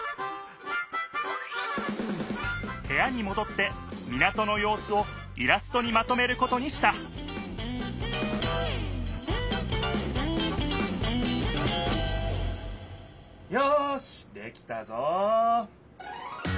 へやにもどって港のようすをイラストにまとめることにしたよしできたぞ！